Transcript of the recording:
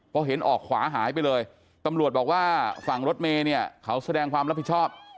พอเห็นออกขวาหายไปเลยตำรวจบอกว่าฝั่งรถเมย์เนี่ยเขาแสดงความรับผิดชอบ